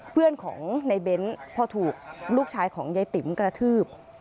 เพื่อนของนายเบนส์พอถูกลูกชายของเยติมกระทืบ